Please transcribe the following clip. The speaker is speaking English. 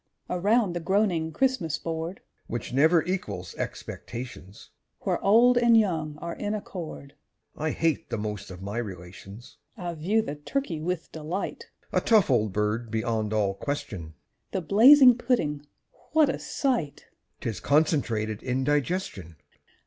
_) Around the groaning Christmas board, (Which never equals expectations,) Where old and young are in accord (I hate the most of my relations!) I view the turkey with delight, (A tough old bird beyond all question!) The blazing pudding what a sight! (_'Tis concentrated indigestion!